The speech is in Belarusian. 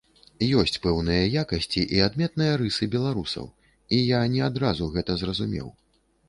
Ёсць пэўныя якасці і адметныя рысы беларусаў, і я не адразу гэта зразумеў.